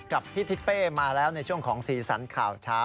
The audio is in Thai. กับพี่ทิศเป้มาแล้วในช่วงของสีสันข่าวเช้า